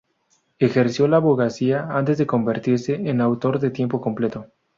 Ejerció la abogacía antes de convertirse en autor de tiempo completo.